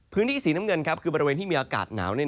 พื้นที่สีน้ำเงินคือบริเวณที่มีอากาศหนาว